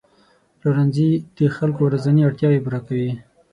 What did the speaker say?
پلورنځي د خلکو ورځني اړتیاوې پوره کوي.